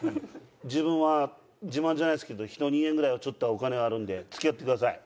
自分は自慢じゃないですけど人に言えんぐらいはちょっとはお金があるんで付き合ってください。